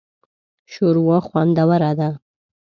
شوروا خوندوره ده